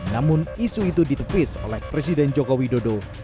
namun isu itu ditepis oleh presiden jokowi dodo